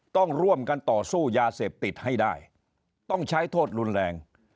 ต้องร่วมกันต่อสู้ยาเสพติดให้ได้ต้องใช้โทษรุนแรง